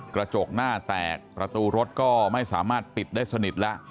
กระจกหน้าแตกประตูรถก็ไม่สามารถปิดได้สนิทแล้ว